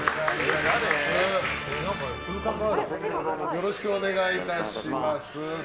よろしくお願いします。